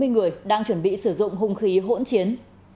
hai mươi người đang chuẩn bị sử dụng hung khí hỗn chiến